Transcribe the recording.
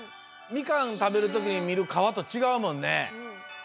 ミカンたべるときに見る皮とちがうもんね。